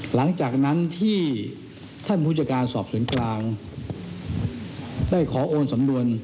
หลังจากนั้นที่ท่านผู้จัดการสอบสวนกลางได้ขอโอนสำนวน